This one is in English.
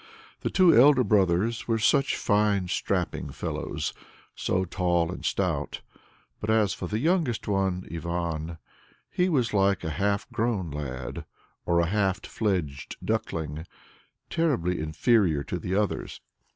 The two elder brothers were such fine strapping fellows! so tall and stout! But as for the youngest one, Ivan, he was like a half grown lad or a half fledged duckling, terribly inferior to the others.